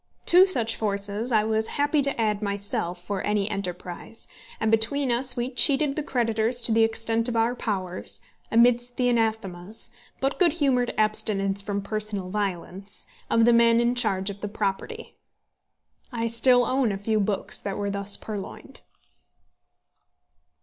To such forces I was happy to add myself for any enterprise, and between us we cheated the creditors to the extent of our powers, amidst the anathemas, but good humoured abstinence from personal violence, of the men in charge of the property. I still own a few books that were thus purloined.